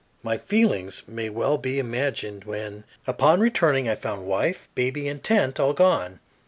] My feelings may well be imagined when, upon returning, I found wife, baby, and tent all gone.